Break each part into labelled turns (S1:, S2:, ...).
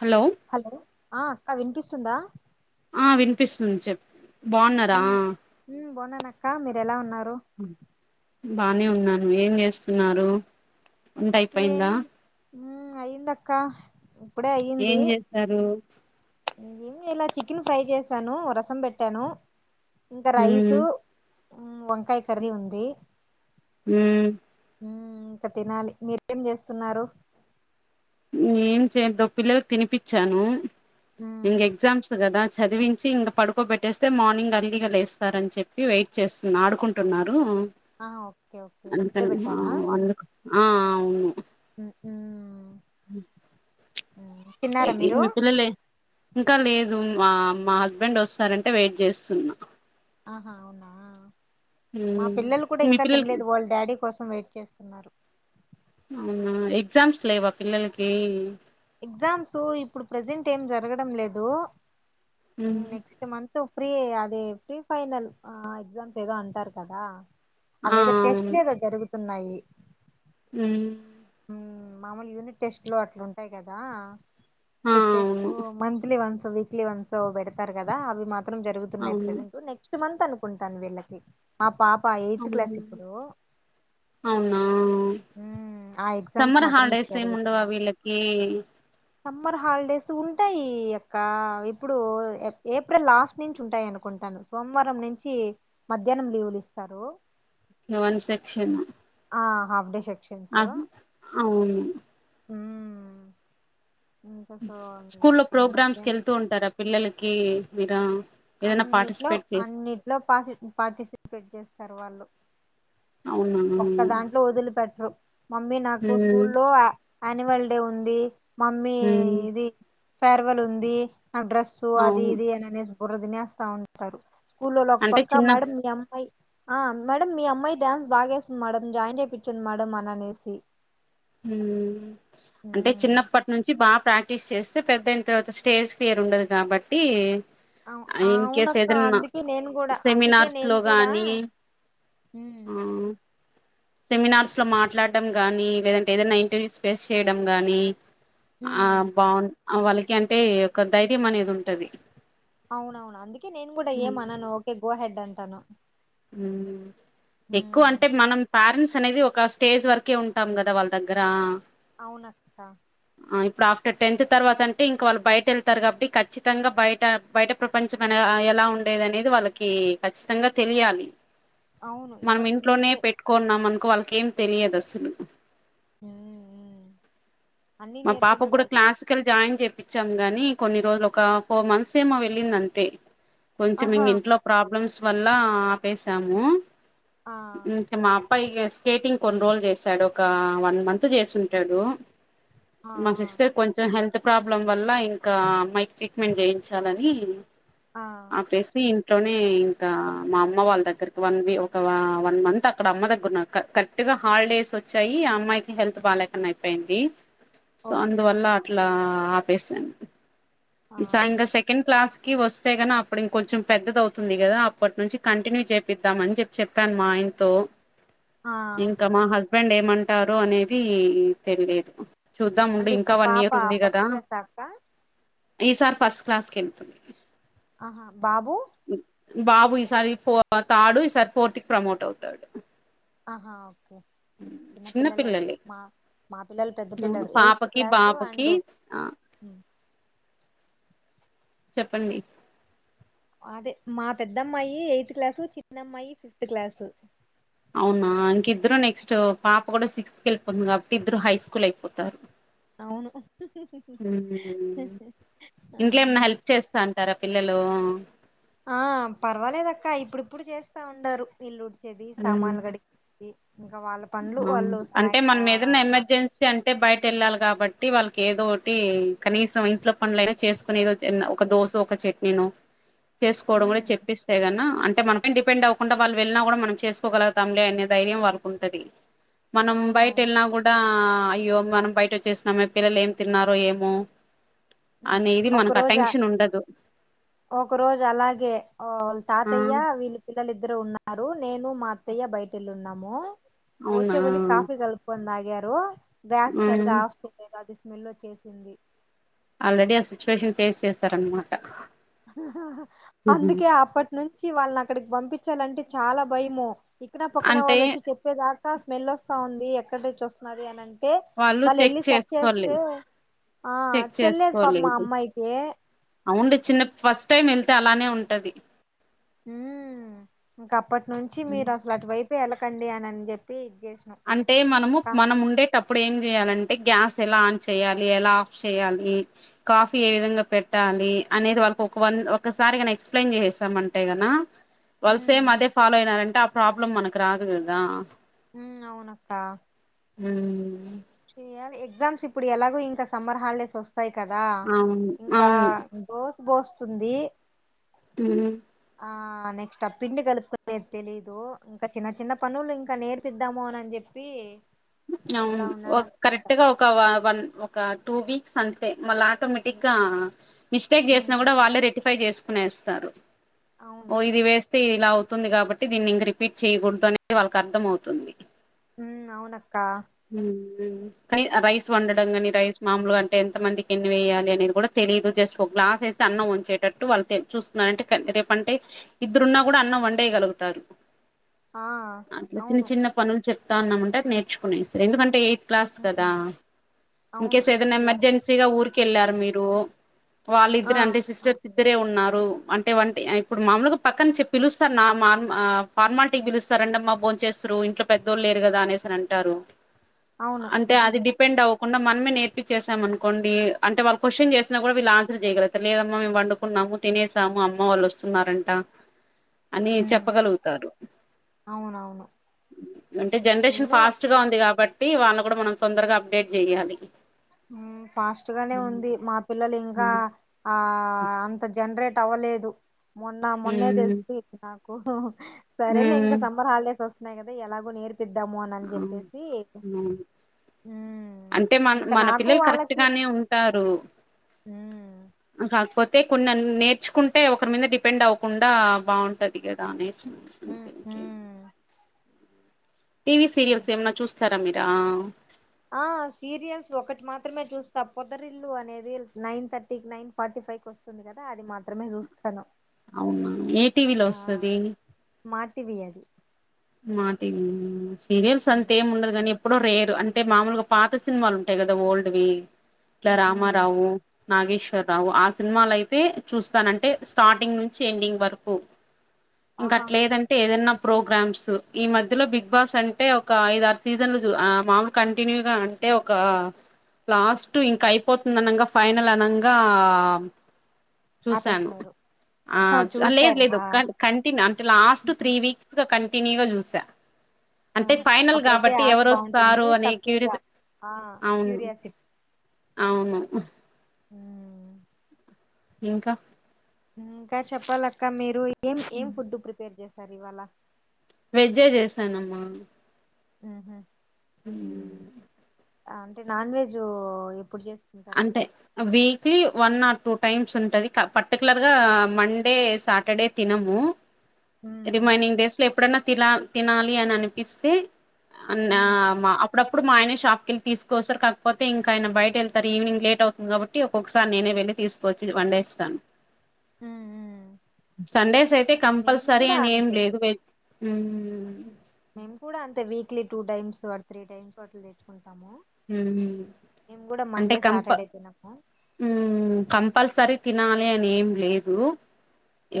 S1: Hello
S2: hello ఆ అక్క వినిపిస్తుందా
S1: ఆహ్ వినిపిస్తుంది చేప్
S2: ఉమ్ బావున్నాను అక్క మీరేలా ఉన్నారు.
S1: బానే ఉన్నాను ఏం చేస్తున్నారు వంట అయిపోయిందా.
S2: ఉమ్ అయిందాక్క.
S1: ఏం చేస్తారు
S2: ఏంచేయాలా చికెన్ ఫ్రై చేశాను రసం పెట్టాను ఇంకా
S1: ఉమ్
S2: రైసు వంకాయ కర్రీ ఉంది
S1: ఉమ్
S2: ఇంకా తినాలి మీరేం చేస్తున్నారు
S1: ఏం చేద్దాం పిల్లలకు తినిపిచ్చిచాను
S2: మ్
S1: ఇంకా ఎగ్జామ్స్ కదా చదివించి ఇంక పడుకోబెట్టేస్తే మార్నింగ్ ఎర్లీ గా లేస్తారు అని చెప్పి వెయిట్ చేస్తున్నా ఆడుకుంటున్నారు
S2: ఆ ఓకే ఓకే ఇప్పుడే పెట్టారా
S1: ఆ అవును
S2: ఉమ్ ఉమ్ తిన్నారా మీరు
S1: మీ పిల్లలే ఇంకా లేదు మా మా హస్బెండ్ వస్తారంటే వెయిట్ చేస్తున్నా
S2: ఆహా అవునా మా పిల్లలు కూడా
S1: మీ
S2: ఇంకా
S1: పిల్లలకి
S2: తినలేదు వాళ్ళ డాడీ కోసం వెయిట్ చేస్తున్నారు
S1: అవున ఎగ్జామ్స్ లెవా పిల్లలకి
S2: ఎగ్జామ్స్ ఇప్పుడు ప్రజెంట్ ఏం జరగడం లేదు
S1: ఉమ్
S2: నెక్స్ట్ మంత్ తు ప్రీ అది ప్రీ ఫైనల్ ఎగ్జామ్స్ ఏదో అంటారు కదా
S1: ఆ
S2: అవేదో టెస్ట్
S1: అవును
S2: లేదో జరుగుతున్నాయి
S1: ఉమ్
S2: మాములుగానే టెస్ట్ లో అట్లు ఉంటాయి కదా
S1: ఆ
S2: స్లిప్
S1: అవును
S2: test monthly once weekly once పెడతారు కదా అవి మా త్రం జగుతున్నాయి
S1: అవును
S2: ప్రెసెంట్ నెక్స్ట్ మంత్ అనుకుంటాను వీళ్ళకి మా పాప ఎయిత్ క్లాస్ ఇప్పుడు
S1: అవునా
S2: మ్మ్, ఆ ఎగ్జామ్స్
S1: సమ్మర్
S2: మాత్రం
S1: హాలిడేస్ ఎమ్ ఉండవా
S2: జరుగుతున్నాయి
S1: వీలకి
S2: సమ్మర్ హాలిడేస్ ఉంటాయి అక్క ఇప్పుడు ఏప్రిల్ లాస్ట్ నుంచి ఉంటాయి అనుకుంటా సోమవారం నుంచి మధ్యాహ్నం లీవులు ఇస్తారు
S1: వన్ సెక్షన్
S2: ఆ హాఫ్డే సెక
S1: ఆ అవును
S2: ఉమ్ ఇంకా సో
S1: స్కూలో
S2: ఇంక
S1: ప్రోగ్రామ్స్ కి
S2: మధ్యాహ్నం
S1: వెళ్తూ ఉంటారా పిల్లలకి మీరా ఏదైనా
S2: అన్నిట్లో
S1: పార్టిసిపేట్ చేస్త
S2: అన్నిట్లో పాటి పాటిసిపేట్ చేస్తారు వాళ్ళు
S1: అవునా
S2: ఒక్క
S1: ఉమ్
S2: దాంట్లో వదిలి పెట్టరు మమ్మీ నాకు స్కూల్లో యాన్యువల్ డే ఉంది మమ్మీ
S1: ఉమ్
S2: ఇది ఫేర్వల్ ఉంది నాకు డ్రెస్సు అది
S1: అవును
S2: ఇది అని అనేసి బుర్ర తినేస్తా ఉంటారు స్కూల్ లో ఒక
S1: అంటే
S2: పక్క
S1: చిన్న
S2: మేడం మీ అమ్మాయి ఆ మేడం మీ అమ్మాయి డ్యాన్స్ బాగేస్తుంది మేడం జాయిన్ చేపియండి మేడం అని అనేసి
S1: ఉమ్ అంటే
S2: ఉమ్,
S1: చిన్నప్పటి నుంచి బా ప్రాక్టీస్ చేస్తే పెద్దయిన తర్వాత స్టేజ్ ఫియర్ ఉండదు కాబట్టి
S2: అవు
S1: ఇన్ కేస్
S2: అవునక్క
S1: ఏదన్న
S2: అందుకే నేను కూడా అందుకే
S1: సెమినార్స్
S2: నేను
S1: లో
S2: కూడా
S1: గానీ
S2: ఉమ్
S1: ఆ సెమినార్స్ లో మాట్లాడ్డం గాని లేదంటే ఏదైనా ఇంటర్వ్యూస్ ఫేస్ చేయడం గాని ఆ
S2: ఉమ్
S1: బావున్ అ వాళ్ళకి అంటే ఒక ధైర్యం అనేది ఉంటది.
S2: అవునవును అందుకే నేను కూడా ఏమ్ అన్నాను ఓకే గోహెడ్ అంటాను
S1: ఉమ్ ఎక్కువ
S2: ఉమ్,
S1: అంటే మనం పారెంట్స్ అనేది ఒక స్టేజ్ వరకే ఉంటాం కదా వాళ్ళ దగ్గరా
S2: అవునక్క
S1: ఇప్పుడు ఆఫ్టర్ టెన్త్ తర్వాతంటే ఇంకా వాళ్ళు బయట వెళ్తారు కాబట్టి ఖచ్చితంగా బయట బయట ప్రపంచమైన ఎలా ఉండేదనేది వాళ్ళకి ఖచ్చితంగా తెలియాలి
S2: అవును
S1: మనం
S2: ఇప్పటి
S1: ఇంట్లోనే
S2: నుంచే
S1: పెట్టుకోన్నాం అనుకో ఆళ్ళకేం తెలియదు అసలు
S2: ఉమ్మ్ ఉమ్ అన్నీ
S1: మా పాప గూడ
S2: నేర్పించాలి
S1: క్లాసికల్ జాయిన్ చెప్ చాం గాని కొన్ని రోజులు ఒక ఫోర్ మంత్స్ ఏమో వెళ్ళిందంతే కొంచెం
S2: ఆహా
S1: ఇంగ ఇంట్లో ప్రాబ్లమ్స్ వల్ల ఆ వేసాము
S2: ఆ
S1: ఉమ్ మా అబ్బయి ఏస్ స్కేటింగ్ కొన్ని రోజులు చేసాడు ఒకా వన్ మంత్ చేసుంటాడు.
S2: ఆ
S1: మా
S2: ఆ
S1: సిస్టర్ కొంచెం హెల్త్ ప్రాబ్లం వల్ల ఇంకా అమ్మాయికి ట్రీట్మెంట్ చేయించాలని ఆ ప్లేస్విమ్ ఇంట్లోనే ఇంకా మా అమ్మ వాళ్ళ దగ్గరకి వన్ వీ ఒక వన్ మంత్ అక్కడ అమ్మ దగ్గరఉన్న కరెక్ట్ గ హాల్డేస్ ఓచ్చాయి ఆ అమ్మాయికి హెల్త్ బాలెకున్నా అయిపోయింది సో
S2: ఓకే
S1: అందువల్ల అట్లా ఆపేసాను
S2: ఆ
S1: ఇంకా సెకండ్ క్లాస్ కి వస్తే కని అప్పుడు ఇంకొంచెం పెద్దది అవుతుంది కదా అప్పటి నుంచి కంటిన్యూ చేపిద్దాంమని చెప్పి చెప్పాను మాఆయన్ ఇంతో
S2: ఆ
S1: ఇంకా మా హస్బెండ్ ఏమంటారో అనేది తెలియదు. చూద్దాం ఉండు
S2: అంటే
S1: ఇంకా
S2: ఇప్పుడు పాప
S1: వన్నియర్ ఉంది కదా?
S2: ఫస్ట్ క్లాస్ దాకా
S1: ఈసార్ ఫస్ట్ క్లాస్ కెళ్తుంది
S2: అహా బాబు?
S1: బాబు ఈసారి ఫో థాడు ఈసారి ఫోర్త్ కి ప్రమోట్ అవుతాడు హ్
S2: ఆహా ఒక్కే చిన్న పిల్లలు అయితే మా మా మా పిల్లలు పెద్ పిల్
S1: అవును పాపకి బాబుకి ఆహ్ చెప్పండి
S2: అదె మా పెద్దమ్మాయి ఎయిత్ క్లాసు చిన్నమ్మాయి ఫిఫ్త్ క్లాసు
S1: అవునా ఇంకిద్దరు నెక్స్ట్ పాప కూడ సిక్స్ కేళ్తుంది కాబట్టి ఇద్దరు హై స్కూల్ అయిపోతారు
S2: అవును
S1: ఉమ్మ్ ఇంట్లో ఏమన్నా
S2: ఆహా
S1: హెల్ప్ చేస్తాంటరా పిల్లలు? లో అ
S2: ఆ పర్వాలేదక్క ఇప్పుడిప్పుడు చేస్తా ఉండారు ఇల్లు ఉడ్ చెది సామాన్లు గడ్డ్గిదీ
S1: ఉమ్ అంటె
S2: స్నాక్
S1: మన్మేదన్నఎమర్జెన్సీ అంటే బయట వెళ్ళాలి కాబట్ ఒకటి వాళ్ళకేదోటి కనీసం ఇంట్లో పనుడ్లయినా చేసుకుని ఏదో ఒక దోశో ఒక చట్నీనో చేసుకోవడం కూడా
S2: మ్మ్
S1: చెప్పిస్తేగన్న అంట్ అంటే మన్పైన డిపెండ్వకుండా వాళ్ళు వెళ్నా కూడా మనం చేసుకోగల్గుతాంలే అనే ధైర్యం వాళ్ళ కుంటది. మనం బైట్
S2: అవునవును
S1: ఎళ్ళిన కూడా ఆ అయ్యో మనం బయట ఓచ్చేసినమే పిల్లలు ఏం తిన్నారో ఏమో
S2: ఆహ
S1: అనేది
S2: ఒక
S1: మనకు ఆ
S2: రోజ్ అ
S1: టెన్షన్ ఉండదు
S2: ఒక రోజు అలాగే ఆ ఒ
S1: ఆ
S2: తాతయ్య వీళ్ళు పిల్లలిద్దరు ఉన్నారు నేను మా అత్తయ్య బైట్ వెళ్ళి ఉన్నాము.
S1: అవునా
S2: వూచ్చెకుంది కాఫి కలుపుందాగ్యరు గ్యాస్ సరిగా
S1: ఉమ్
S2: ఆఫ్ చెయ్లేదు అది స్మెల్ ఒచ్చేసింది
S1: ఆల్రెడీ ఆ సిచ్యువేషన్ ఫేస్ చేసరన్మాట
S2: ఆహ హా అందుకే అప్పటి నుంచి వాళ్ళ అక్కడికి పంపించాలంటే చాల భయము ఇక్కడ పక్కన
S1: అంటే
S2: వాళ్ళు వచ్చి చెప్పేదాకా స్మెలోస్తా ఉంది ఎక్కడినుచ్చోస్తున్నది అని టె
S1: వాళ్ళు చెక్
S2: మళ్ళెళ్ళి సర్చ్
S1: చేసుకోవాలి
S2: చేస్తే ఆ
S1: చెక్
S2: తెల్లేదు పాపమ్ ఆ
S1: చేసుకోలేదు
S2: అమ్మాయికి
S1: అవుండి చిన్న ఫస్ట్ టైం వెళ్తే అలానే ఉంటది.
S2: ఉహ్ ఇంక అప్పటుంచి మీరు అసలు అటువైపు వెళ్లకండి అన్ అని చెప్పి చేసినాం
S1: అంటే మనము
S2: అక్క
S1: మనం ఉండేటప్పుడు ఏం చేయాలంన్ గ్యాస్ ఎలా ఆన్ చేయాలి ఎలా ఆఫ్ చేయాలి కాఫీ ఏ విధంగా పెట్టాలి అనేది వాల్ ఒక ఒక వన్ ఒకసారిగాని ఎక్సప్లయిన్ చేశామాంటే గణ వాళ్ళు
S2: ఉమ్
S1: సేమ్ అదే ఫాలో అయినారంటే ఆ ప్రాబ్లెమ్ మనకు రాదు గదా.
S2: ఉమ్ అవునక్క
S1: ఉమ్
S2: చేయాలి ఎగ్జామ్స్ ఇప్పుడు ఎలాగొ ఇంక సమ్మర్ హాలిడేస్ వస్ ఫైవ్ కదా
S1: అవును
S2: ఇంకా
S1: అవును
S2: దోస్ భోస్తుంది.
S1: హుమ్మ్
S2: ఆ నెక్స్ట్ అ పిండి కలుపుకునే తెలీదు. ఇంక చిన్న చిన్న పనులు ఇంక నేర్పిద్దాము అన్ చెప్పి పీ
S1: అవును ఒ కరెక్ట్ గ ఒప్పు ఆ వన్ ఒక టూ వీక్స్ అంతే మళ్లా ఆటోమేటిక్ గా మిస్టేక్
S2: ఉమ్,
S1: చేసిన కూడా వాళ్ళే రెటిఫై చేసుకునేస్తారు.
S2: అవును
S1: ఓ ఇది వేస్ ఇలా అవుతుంది కాబట్టి దీన్ని ఇంక రిపీట్ చేయగూడదు అనే వాళ్ళకి అర్థం అవుతుంది.
S2: హుమ్ అవునక్కా
S1: హుమ్ కానీ రైస్
S2: ఉమ్,
S1: వండడం కానీ రైస్ మామూలుగ అంటే ఎంత మందికి ఎన్ని వెయ్యాలి అనేది కూడా తెలీదు. జస్ట్ ఒక గ్లాస్ వేస్తే అన్నం ఒంచేటట్టు వాళ్ళు తెల్ చూస్తూ అంటే రే రేపంటే ఇద్దరున్నా కూడా అన్నం వండేయగలుగుతారు.
S2: ఆ
S1: అట్ల చిన్న
S2: అవును
S1: చిన్న పనులు చెప్తాన్నము మంటే నేర్చుకునేస్ ఎందుకంటే క్లాస్ కదా
S2: ఉమ్, అవును
S1: ఇన్కెస్
S2: ఎయిత్
S1: ఏదైనా
S2: క్లాస్
S1: ఎమర్జెన్సీగా ఊరికి వెళ్ళారు మీరు
S2: ఆ
S1: వాళ్ళిద్దరంటే
S2: ఆ,
S1: సిస్టర్స్ ఇద్దరే ఉన్నారు. అంటే వంటి ఇప్పుడు మామూలుగా పక్కనుంచి పిలుస్తారు. నార్మమామ్ ఆ ఫార్మాలిటీకి పిలుస్తారండి. రండమ్మా భోన్ చేస్తూర్ ఇంట్ల పెద్దోళ్ళు లేరు కదా అనేసని అంటారు.
S2: అవును
S1: అంటే అది డిపెండ్ అవ్వకుండా మనమే నేర్పించేసాం అనుకోండి అంటే వ క్వశ్చన్ చేసిన కూడా వీళ్లు అన్స్ జేయగలుగుతారు లేదమ్మా మేము వండుకున్నాము. తినేసాము అమ్మ వాళ్ళు వస్తున్నారంట. అని
S2: ఉమ్,
S1: చెప్పగలుగుతారు.
S2: అవునవును
S1: అంటే జనరేషన్
S2: నేను
S1: ఫాస్ట్ గా ఉంది కాబ్ బట్టి వాళ్ళు కూడా మనం తొందరగా అప్డేట్ జేయాలి.
S2: ఉమ్ ఫాస్ట్ గానే ఉంది. మా పిల్లలు ఇంకా ఆ అంత జ జనరేట్ అవ్వలేదు. మొన్న మొన్నే తెలుసి నాకు సరేలే ఇంక
S1: ఉమ్
S2: సమ్మర్ హాలిడేస్ వస్తున్నాయి గదా ఎలాగొ నేర్ పిద్దామో అన్
S1: అవును
S2: చేప్పేసి
S1: అవును.
S2: మ్
S1: అంటే మన
S2: ఇన్
S1: మన పిల్లలు కరెక్ట్ గానే ఉంటారు.
S2: మ్మ్
S1: కాక్ పొ తే కొన్నని నేర్చుకుంటే ఒకరి మీద డిపెండ్ అవ్వకుండా బాగుంటది గదా అనేసి
S2: మ్మ్ మ్మ్
S1: టీవీ సీరియల్స్ ఏమన్న చూస్తారా మీరా
S2: ఆ సీరియల్స్ ఒకటి మాత్రమే చూస్తా. పొదరిల్లు అనేది నైన్ థర్టీకి నైన్ ఫార్టీ పైకి వస్తుంది గద అది మాత్రమే చూస్తను.
S1: అవునా ఏ టీవీలో వస్తది.
S2: మా టీవీ అది
S1: మాటీవీ సీరియల్స్ అంతెం ఉండదుగాని ఇప్పుడు రేర్ అంటే మామూలుగా పాత సినిమాలు ఉంటాయి గదా ఓల్డ్ వి ఇలా
S2: మ్మ్
S1: రామారావు, నాగేశ్వర రావు ఆ సినిమాలు అయితే చూస్తానంటే స్టార్టింగ్ నుంచ్ ఎండింగ్ వరకు
S2: ఆహా
S1: ఇంకట్లేదంటే ఏదన్న ప్రోగ్రామ్స్ ఈ మధ్యలో బిగ్ బాస్ అంటే ఒక ఐద ఆర్ సీజన్లు చు ఆ మామూల్ కంటిన్యూగ అంటే ఒకా లాస్ట్ ఇంకైపోతుంద్ అనంగా ఫైనల్ అనంగా చూశాను
S2: ఆపేసినరు
S1: ఆ లేదు లేదు కంటి కంటిన్యూ అంటే లాస్ట్ త్రీ వీక్స్ గా కం టినీగ జూసా. అంటే
S2: ఆహా
S1: ఫైనల్
S2: అప్పుడైతే
S1: కాబట్టి
S2: ఆట
S1: ఎవరొస్తారో
S2: బాగుంటుంది
S1: అని క్యూరి
S2: తక్కువగా ఆ
S1: అవును
S2: క్యూరియాసిటీ
S1: అవును.
S2: మ్
S1: ఇంకా
S2: ఇంకా చెప్పాలక్క మీరు ఏం ఏం ఫుడ్డు ప్రిపేర్ చేసార్ ఇవాళ
S1: వెజ్జే చేసానమ్మా.
S2: మ్ హ్
S1: ఉమ్
S2: అంటే నాన్ వెజు ఇప్పుడ్ చేస్
S1: అంటే weekly one or two times ఉంటది పర్టికులర్గా మండే, సాటర్డే తినము.
S2: ఉమ్
S1: రిమైనింగ్ డేస్లో ఎప్పుడన్న తినాల్ తినాలి అన్ అనిపిస్తే అన్ ఆ మ అప్పుడప్పుడ్ మా ఆయన షాప్కెళ్ళి తీసుకొస్తార్ కాక్పోతే ఇంకా ఆయన బయట ఎల్ తర్ ఈవినింగ్ లేట్ అవుతుంది కాబట్టి ఒక్కొక్కసారి నేనే వెళ్లి తీస్కోచ్చి వన్డేస్తాను.
S2: ఉమ్
S1: సండేస్ అయితే
S2: మేము
S1: కంపల్సరీ
S2: కూడా
S1: అని ఏం
S2: అంతే
S1: లేదు. వెజ్ ఉమ్ మ్
S2: మేం కూడా అంతే weekly two times or three times అట్ల తెచ్చుకుం
S1: మ్ అంటే
S2: మండే
S1: కంప
S2: సాటర్డే తినము
S1: మ్ కంపల్సరీ తినాలే అని ఏం లేదు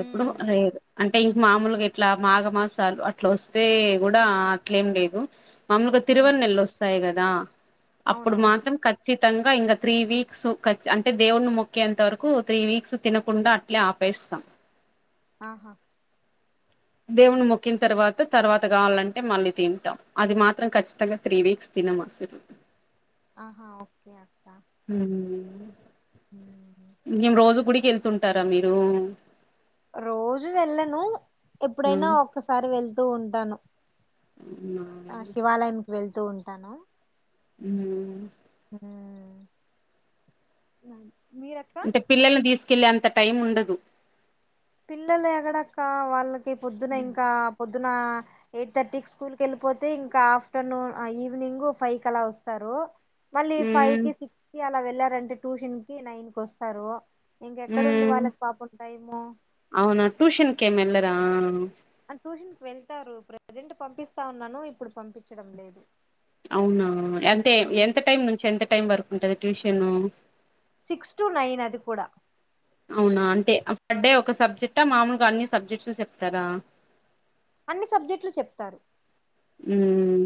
S1: ఎప్పుడు
S2: ఉమ్
S1: లేద్ అం అంటే ఇ మామూల్గ ఇట్లా మాఘ మాసాలు అట్లోస్తే గుడా అట్లేం లేదు. మాముల్గ తిరువల్ నెలల్ వస్తాయి కదా అప్పుడు
S2: అవునవును
S1: మాత్రం ఖచ్చి తంగ ఇంకా త్రీ వీక్స్ ఖ అంటే దేవుని మొక్కేంత వరకు త్రీ వీక్స్ తినకుండా అట్లే ఆపేస్తాం.
S2: ఆహా!
S1: దేవున్ మొక్కిన్ తర్వాత తర్వాత కావాలంటే మళ్ళీ తింటాం. అది మాత్రం ఖచ్చితంగ త్రీ వీక్స్ తినం అస్సల్
S2: ఆహా ఓకే అక్క. ఉమ్
S1: ఇంకేం రోజు గుడికి ఎళ్తుంటారా మీరూ?
S2: రోజు వెళ్ళను ఎప్పుడైనా ఒక్కసారి వెళ్తూ ఉంటాను.
S1: అవునా
S2: ఆ శివాలయంకి వెళ్తూ ఉంటాను.
S1: మ్ హ్
S2: మీరక్క
S1: అంటే పిల్లల్ని తీస్కెళ్లే అంత టైం ఉండదు.
S2: పిల్లల్ ఎగడక్క వాళ్ళకి పొద్దున ఇంకా పొద్ నా ఎయిట్ థర్టీక్ స్కూల్ కెళ్ళిపోతే ఇంకా ఆఫ్టర్నూన్ ఆ ఈవినింగ్ ఫైవ్ కలా వస్తారు. మళ్ళీ
S1: మ్మ్
S2: ఫైవ్కి సిక్స్కి అలా వెళ్లారంటే ట్యూషన్కి నైన్ కొస్తారు. ఇంకెక్కడుంది
S1: మ్మ్
S2: వాళ్ళక్ పాపం టైము.
S1: అవునా ట్యూషన్కేం ఎల్లరా?
S2: ట్యూషన్కి వెళ్తారు ప్రజెంట్ పంపిస్తా ఉన్నాను ఇప్పుడు పంపించడం లేదు.
S1: అవునా ఎంతే ఎంత టైం నుంచి ఎంత టైం వరక్ ఉంటది ట్యూషను.
S2: సిక్స్ టు నైన్ అది కూడా.
S1: అవునా అంటే ఆఫ్టర్ డే ఒక సబ్జెక్టా మామూల్గ అన్ని సబ్జెక్ట్స్ చెప్తారా?
S2: అన్ని సబ్జెక్టులు చెప్తారు.
S1: ఉమ్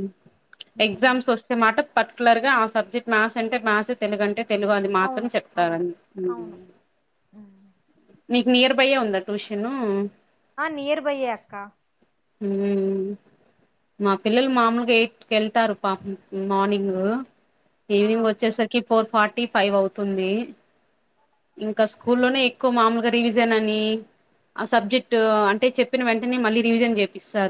S1: ఎగ్జామ్స్ వస్తే మాట పర్టికులర్గా ఆ సబ్జెక్ట్ మ్యాథ్స్ అంటే మాథ్స్ తెలుగు అంటే తెలుగు అది మాత్రం
S2: అవును అవును
S1: చెప్తారన్
S2: అవును
S1: మీకు నియర్ బైయే ఉందా ట్యూషను
S2: ఆ నియర్ బయ్యే అక్క
S1: ఉమ్ మా పిల్లలు మామూల్గా ఎయిట్కెళ్తారు పాపం మార్నింగ్ ఈవినింగ్
S2: ఆహా
S1: వచ్చేసరికి ఫోర్ ఫార్టీ ఫైవ్ అవుతుంది. ఇంకా స్కూల్లోనే ఎక్కువ మామూల్గా రివిజన్ అనీ ఆ సబ్జెక్టు అంటే చెప్పిన వెంటనే మళ్ళీ రివిజన్ చేపిస్తారు.